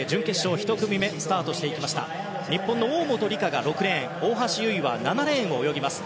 日本の大本里佳が６レーン大橋悠依は７レーンを泳ぎます。